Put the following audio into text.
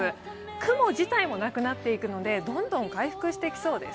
雲自体もなくなっていくので、どんどん回復していきそうです。